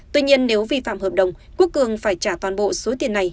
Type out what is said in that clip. tuy nhiên nếu vi phạm hợp đồng quốc cường phải trả toàn bộ số tiền này